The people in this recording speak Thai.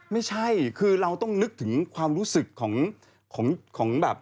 ไม่ใช่คือเราต้องนึกถึงความรู้สึกของแบบ